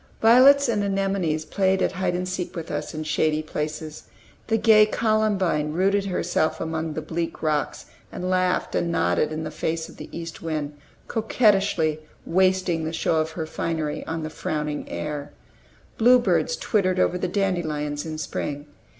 Violets and anemones played at hide and seek with us in shady places. The gay columbine rooted herself among the bleak rocks, and laughed and nodded in the face of the east wind, coquettishly wasting the show of her finery on the frowning air. Bluebirds twittered over the dandelions in spring.